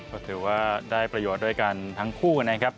ก็ถือว่าได้ประโยชน์ด้วยกันทั้งคู่นะครับ